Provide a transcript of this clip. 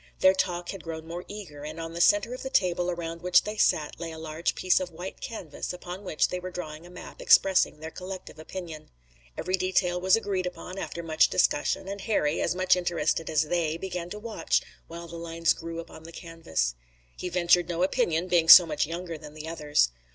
Their talk had grown more eager, and on the center of the table around which they sat lay a large piece of white canvas upon which they were drawing a map expressing their collective opinion. Every detail was agreed upon, after much discussion, and Harry, as much interested as they, began to watch, while the lines grew upon the canvas. He ventured no opinion, being so much younger than the others.